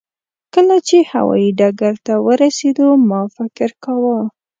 کله چې هوایي ډګر ته ورسېدو ما فکر کاوه.